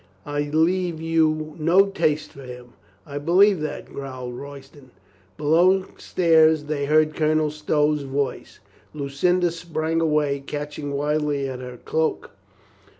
I'll leave you no taste for him." "I believe that," growled Royston. Below stairs they heard Colonel Stow's voice. Lu cinda sprang away, catching wildly at her cloak.